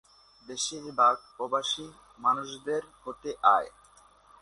বেশিরভাগ প্রবাসী মানুষদের হতে আয়।